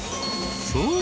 ［そう。